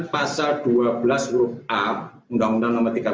pasal dua belas uruk a